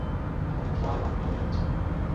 Men komt yn Australië amper mear in minne wyn tsjin.